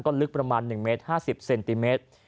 ลึกประมาณ๑เมตร๕๐เซนติเมตร